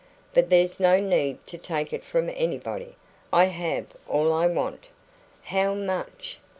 But there's no need to take it from anybody. I have all I want." "How much?"